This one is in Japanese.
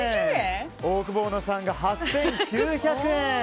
オオクボーノさんが８９００円。